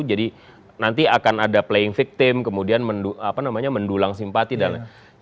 jadi nanti akan ada playing victim kemudian mendulang simpati dan lain lain